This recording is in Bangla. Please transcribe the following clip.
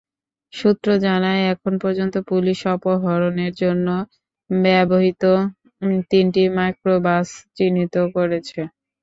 সূত্র জানায়, এখন পর্যন্ত পুলিশ অপহরণের জন্য ব্যবহৃত তিনটি মাইক্রোবাস চিহ্নিত করেছে।